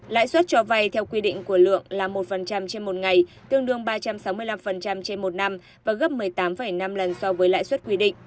lãi suất cho vay theo quy định của lượng là một trên một ngày tương đương ba trăm sáu mươi năm trên một năm và gấp một mươi tám năm lần so với lãi suất quy định